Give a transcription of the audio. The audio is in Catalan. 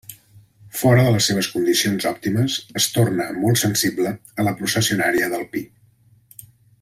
Fora de les seves condicions òptimes es torna molt sensible a la processionària del pi.